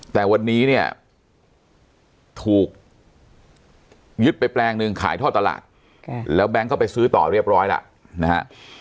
แต่วันนี้เนี่ยถูกยึดไปแปลงหนึ่งขายท่อตลาดแล้วแบงค์ก็ไปซื้อต่อเรียบร้อยแล้วนะฮะ